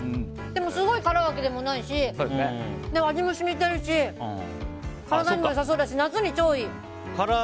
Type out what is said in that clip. でも、すごい辛いわけでもないし味も染みてるし体にも良さそうだし夏に超いい。